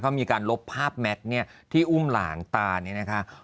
เขามีการลบภาพแม็กซ์เนี่ยที่อุ้มหลานตาเนี่ยนะคะ